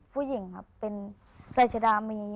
ผู้หญิงครับเป็นไซสดามี